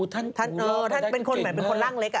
ท่านเป็นคนล่างเล็กอะ